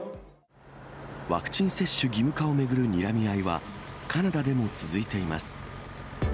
ワクチン接種義務化を巡るにらみ合いは、カナダでも続いています。